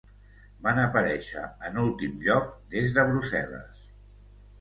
Van aparèixer en últim lloc, des de Brussel·les.